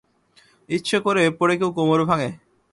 ইচ্ছে করে পড়ে কেউ কোমর ভাঙে?